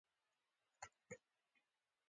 یو موږک د زمري رسۍ غوڅې کړې.